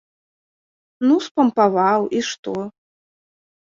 Ну, спампаваў і што?